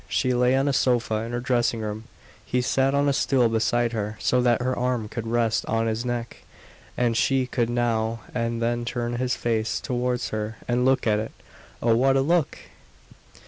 She lay on a sofa in her dressing room; he sat on a stool beside her, so that her arm could rest on his neck and she could now and then turn his face towards her and look at it oh, what a look!